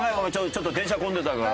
ちょっと電車混んでたから。